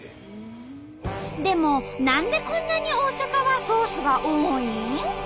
でも何でこんなに大阪はソースが多いん？